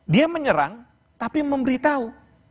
dia menyerang tapi memberitahu